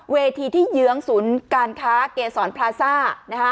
เวทีที่เยื้องศูนย์การค้าเกษรพลาซ่า